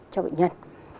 cho bệnh nhân